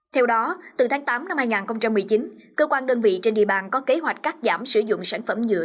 theo đó từ tháng tám năm hai nghìn một mươi chín cơ quan đơn vị trên địa bàn có kế hoạch cắt giảm sử dụng sản phẩm nhựa